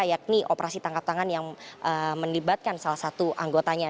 yakni operasi tangkap tangan yang melibatkan salah satu anggotanya